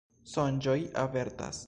Sonĝoj avertas.